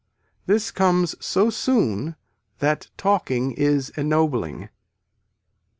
This comes so soon that talking is ennobling.